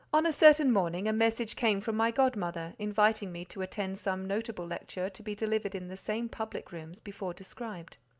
On a certain morning a message came from my godmother, inviting me to attend some notable lecture to be delivered in the same public rooms before described.